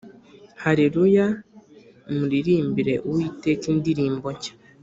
Haleluya muririmbire uwiteka indirimbo nshya